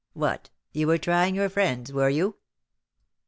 what, you were trying your friends, were you?"